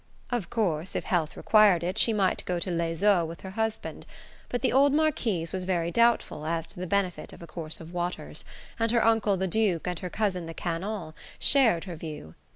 Of course, if health required it, she might go to les eaux with her husband; but the old Marquise was very doubtful as to the benefit of a course of waters, and her uncle the Duke and her cousin the Canon shared her view.